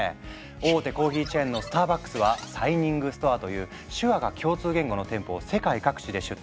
大手コーヒーチェーンのスターバックスは「サイニングストア」という手話が共通言語の店舗を世界各地で出店。